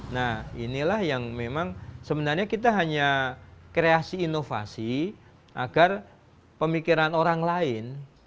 nah inilah yang memang sebenarnya kita hanya kreasi inovasi agar pemikiran orang lain